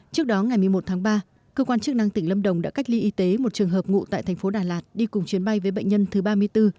trước đó ngày một mươi một tháng ba cơ quan chức năng tỉnh lâm đồng đã cách ly y tế một trường hợp ngụ tại thành phố đà lạt đi cùng chuyến bay với bệnh nhân thứ ba mươi bốn